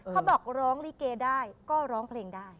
เขาบอกร้องลิเกได้ก็ร้องเพลงได้